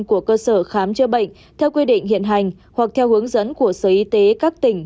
của cơ sở khám chữa bệnh theo quy định hiện hành hoặc theo hướng dẫn của sở y tế các tỉnh